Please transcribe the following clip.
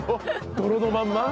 泥泥のまんま？